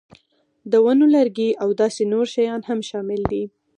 د ونو لرګي او داسې نور شیان هم شامل دي.